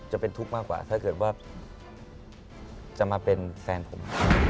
จะเป็นทุกข์มากกว่าถ้าเกิดว่าจะมาเป็นแฟนผม